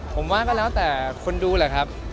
ผมว่าก็แล้วแต่คนดูแหละครับ